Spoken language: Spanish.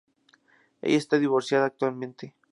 Ella está divorciada actualmente.